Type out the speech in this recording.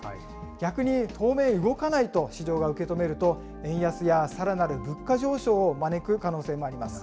逆に当面、動かないと市場が受け止めると、円安やさらなる物価上昇を招く可能性もあります。